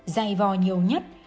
dài vòi nhiều nhất